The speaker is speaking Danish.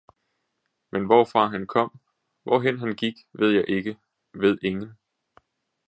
men hvorfra han kom, hvorhen han gik, ved ikke jeg, ved ingen.